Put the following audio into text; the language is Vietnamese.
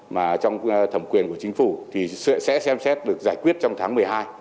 mà trong thẩm quyền của chính phủ thì sẽ xem xét được giải quyết trong tháng một mươi hai